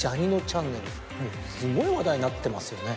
すごい話題になってますよね。